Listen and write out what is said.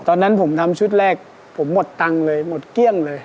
ตอนนั้นผมทำชุดแรกผมหมดตังค์เลยหมดเกลี้ยงเลย